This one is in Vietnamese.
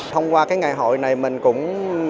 thông qua ngày hội này mình cũng